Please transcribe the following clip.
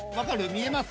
見えます？